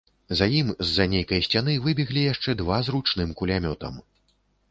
За ім з-за нейкай сцяны выбеглі яшчэ два, з ручным кулямётам.